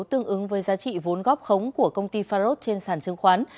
tương ứng với giá trị vốn góp khống của công ty farod trên sản chứng khoán